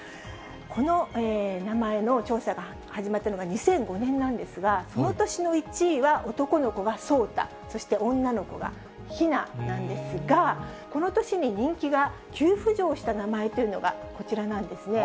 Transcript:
この名前の調査が始まったのが２００５年なんですが、その年の１位は、男の子は颯太、そして女の子が陽菜なんですが、この年に人気が急浮上した名前というのがこちらなんですね。